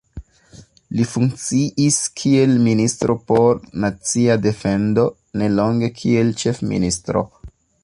Li funkciis kiel ministro por nacia defendo, nelonge kiel ĉefministro.